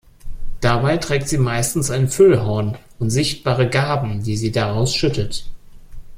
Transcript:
Dabei trägt sie meistens ein Füllhorn und sichtbare Gaben, die sie daraus schüttet.